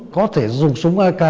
có thể dùng súng ak